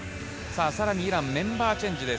さらにイラン、メンバーチェンジです。